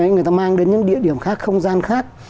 người ta mang đến những địa điểm khác không gian khác